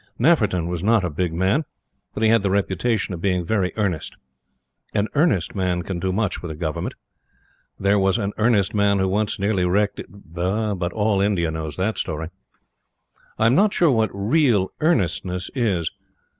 Nafferton was not a big man; but he had the reputation of being very earnest. An "earnest" man can do much with a Government. There was an earnest man who once nearly wrecked... but all India knows THAT story. I am not sure what real "earnestness" is.